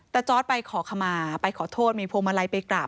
แต่จอร์ดไปขอขมาไปขอโทษมีพวงมาลัยไปกราบ